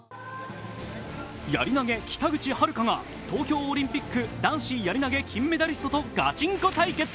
やり投げ、北口榛花が東京オリンピック男子やり投げ金メダリストとガチンコ対決。